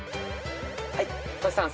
はいトシさん